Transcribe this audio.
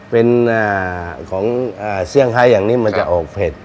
เป็นของเสี่ยงไฮอย่างนี้มันจะออกเผ็ด